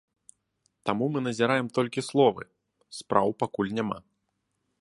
Таму мы назіраем толькі словы, спраў пакуль няма.